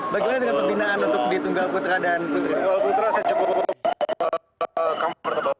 bagaimana dengan pembinaan di tunggal putra dan tunggal